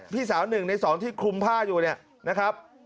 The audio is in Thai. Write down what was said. พี่สาวหนึ่งในสองที่คุมผ้าอยู่นะครับ